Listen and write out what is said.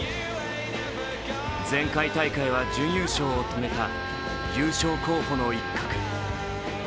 前回大会は準優勝を決めた優勝候補の一角。